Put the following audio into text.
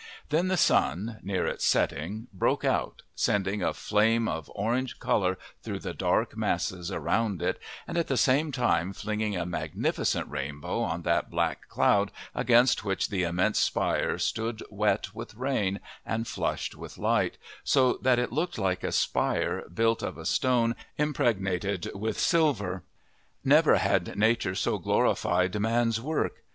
Then the sun, near its setting, broke out, sending a flame of orange colour through the dark masses around it, and at the same time flinging a magnificent rainbow on that black cloud against which the immense spire stood wet with rain and flushed with light, so that it looked like a spire built of a stone impregnated with silver. Never had Nature so glorified man's work!